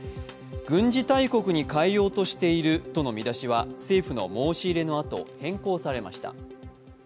軍事大国に変えようとしているとの見出しは政府の申し入れのあと変更されました。